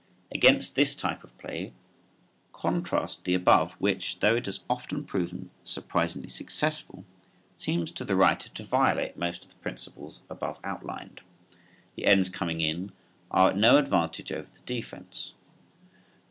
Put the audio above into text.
Against this type of play contrast the above (Fig. 2) which, though it has often proven surprisingly successful, seems to the writer to violate most of the principles above outlined. The ends coming in are at no advantage over the defense.